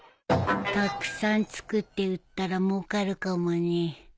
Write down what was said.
たくさん作って売ったらもうかるかもね